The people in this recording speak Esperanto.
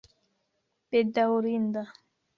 bedaŭrinda